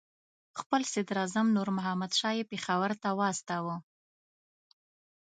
خپل صدراعظم نور محمد شاه یې پېښور ته واستاوه.